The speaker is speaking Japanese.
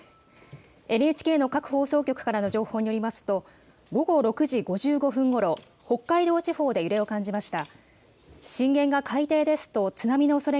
ＮＨＫの各放送局からの情報によりますと午後６時５５分ごろ、北海道地方で揺れを感じました。